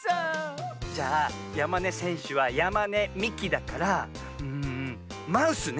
じゃあやまねせんしゅはやまねみきだからんマウスね。